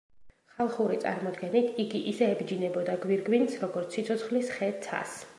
ხალხური წარმოდგენით, იგი ისე ებჯინებოდა გვირგვინს, როგორც სიცოცხლის ხე ცას.